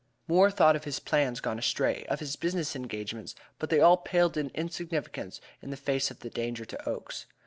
Moore thought of his plans gone astray, of his business engagements, but they all paled into insignificance in the face of the danger to Oakes.